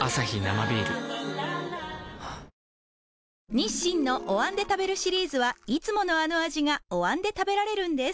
日清のお椀で食べるシリーズはいつものあの味がお椀で食べられるんです